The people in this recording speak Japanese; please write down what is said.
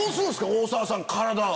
大沢さん体。